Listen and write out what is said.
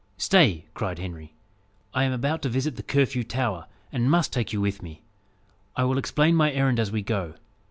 "Stay!" cried Henry, "I am about to visit the Curfew Tower, and must take you with me. I will explain my errand as we go.